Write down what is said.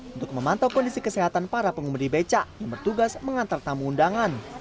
untuk memantau kondisi kesehatan para pengemudi beca yang bertugas mengantar tamu undangan